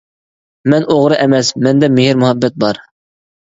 مەن ئوغرى ئەمەس، مەندە مېھىر-مۇھەببەت بار.